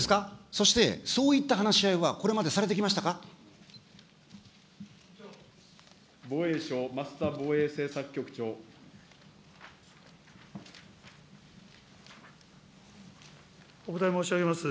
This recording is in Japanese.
そしてそういった話し合いは防衛省、お答え申し上げます。